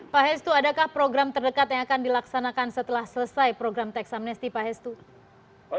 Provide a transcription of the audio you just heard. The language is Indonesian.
pak hestu adakah program terdekat yang akan dilaksanakan setelah selesai program teks amnesti pak hestu